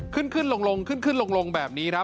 ขึ้นขึ้นลงแบบนี้